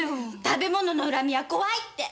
食べ物の恨みは怖いって。